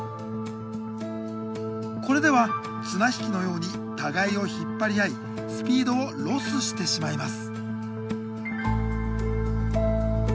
これでは綱引きのように互いを引っ張り合いスピードをロスしてしまいます。